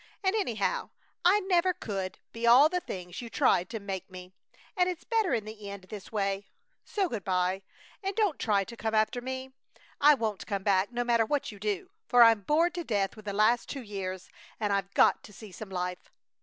And, anyhow, I never could be all the things you tried to make me, and it's better in the end this way. So good by, and don't try to come after me. I won't come back, no matter what you do, for I'm bored to death with the last two years and I've got to see some life!